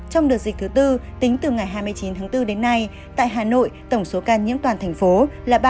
trong đợt dịch thứ bốn tính từ ngày hai mươi chín tháng bốn đến nay tại hà nội tổng số ca nhiễm toàn thành phố là ba mươi hai bốn mươi bốn ca